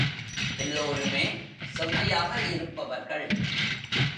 எல்லோருமே செம்மையாக இருப்பவர்கள்.